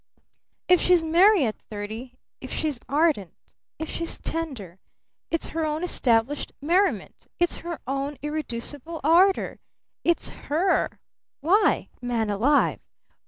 If she's merry at thirty, if she's ardent, if she's tender, it's her own established merriment, it's her own irreducible ardor, it's her Why, man alive!